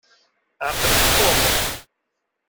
Ɛqel-d Tom.